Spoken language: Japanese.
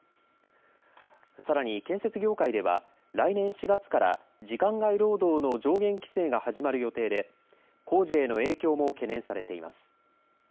さらに建設業界では来年４月から時間外労働の上限規制が始まる予定で工事への影響も懸念されています。